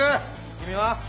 君は？